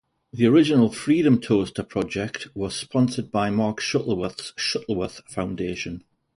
The original Freedom Toaster project was sponsored by Mark Shuttleworth's Shuttleworth Foundation.